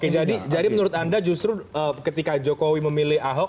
jadi menurut anda justru ketika jokowi memilih ahok